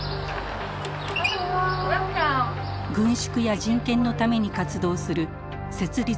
軍縮や人権のために活動する設立